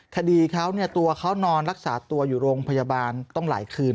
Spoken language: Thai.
คดีเขาตัวเขานอนรักษาตัวอยู่โรงพยาบาลต้องหลายคืน